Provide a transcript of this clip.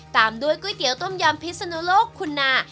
ตามด้วยก๋วยเตี๋ยวต้มยำพิศนุโลกคุณนา